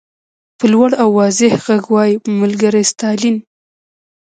په لوړ او واضح غږ وایي ملګری ستالین.